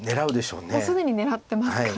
もう既に狙ってますか。